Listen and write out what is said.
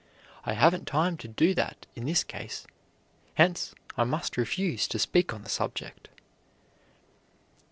I haven't time to do that in this case, hence, I must refuse to speak on the subject."